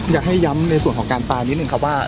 อยากให้ย้ำในส่วนของการตายนิดนึงครับว่า